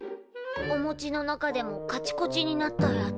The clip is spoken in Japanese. おもちの中でもカチコチになったやつ。